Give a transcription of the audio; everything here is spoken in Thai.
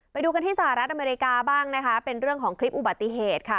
ไปดูกันที่สหรัฐอเมริกาบ้างนะคะเป็นเรื่องของคลิปอุบัติเหตุค่ะ